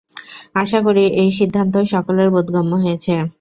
আশা করি এই সিদ্ধান্ত সকলের বোধগম্য হয়েছে।